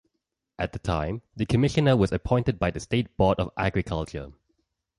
At the time, the commissioner was appointed by the state Board of Agriculture.